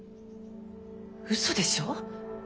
嘘でしょ。